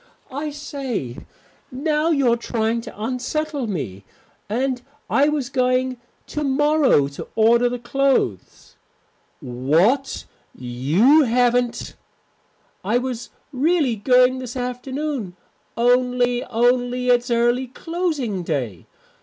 "I say, now you're trying to unsettle me. And I was going to morrow to order the clothes." "What! You haven't " "I was really going this afternoon, only only it's early closing day.